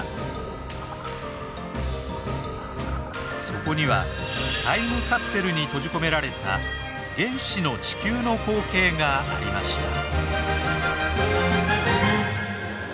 そこにはタイムカプセルに閉じ込められた「原始の地球」の光景がありました。